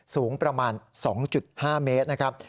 สูงประมาณ๒๕เมตรนะครับ